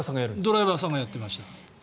ドライバーさんがやってました。